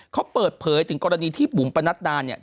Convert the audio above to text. เขาเปิดเผยถึงกรณีที่บุ๋มปนัดดาเนี่ย